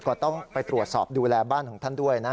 ก็ต้องไปตรวจสอบดูแลบ้านของท่านด้วยนะ